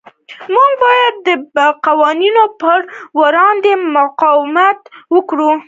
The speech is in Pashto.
موږ باید د بدو قوانینو پر وړاندې مقاومت وکړو.